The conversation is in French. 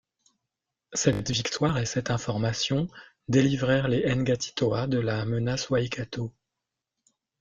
Cette victoire et cette information délivrèrent les Ngāti Toa de la menace Waikato.